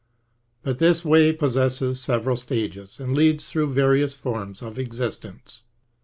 But this way possesses several stages, and leads through various forms of existence.